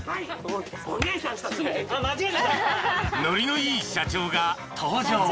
［ノリのいい社長が登場］